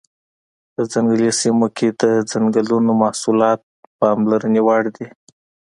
په ځنګلي سیمو کې د ځنګلونو محصولات پاملرنې وړ دي.